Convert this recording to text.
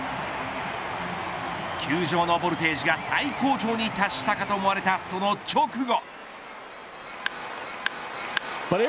球場のボルテージが最高潮に達したかと思われたその直後。